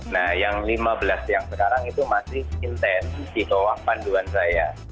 nah yang lima belas yang sekarang itu masih intensi ke wak panduan saya